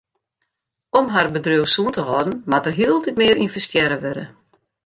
Om har bedriuw sûn te hâlden moat der hieltyd mear ynvestearre wurde.